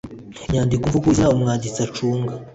inyandiko mvugoz izina umubitsi acunga